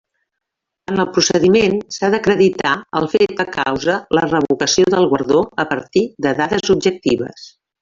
En el procediment s'ha d'acreditar el fet que causa la revocació del Guardó a partir de dades objectives.